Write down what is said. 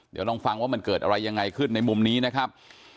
เดี๋ยวลองฟังว่ามันเกิดอะไรยังไงขึ้นในมุมนี้นะครับ